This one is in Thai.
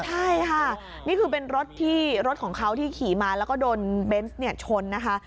ใช่ค่ะนี่คือเป็นรถที่รถของเขาที่ขี่มาแล้วก็โดนเบนส์ชนนะคะ